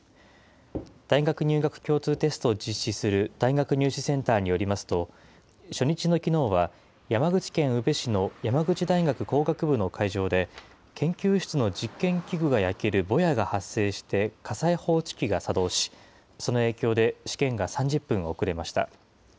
大学入学共通テストを実施する大学入試センターによりますと、初日のきのうは、山口県宇部市の山口大学工学部の会場で、研究室の実験器具が焼けるぼやが発生して、火災報知器が作動し、その影響で試験が３０分遅れました。